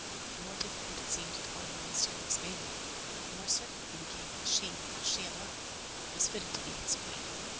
The more dif ficult it seemed to find the mysterious maiden, the more certain he became that she, and she alone, was fitted to be his Queen.